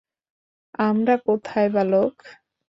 আমরা কোথায়, বালক?